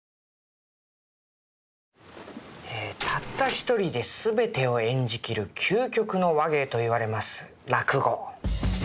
たった一人で全てを演じきる究極の話芸といわれます落語。